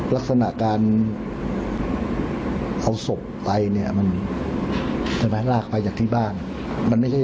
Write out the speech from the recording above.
ลักษณะการเอาศพไปมันลากไปจากที่บ้าง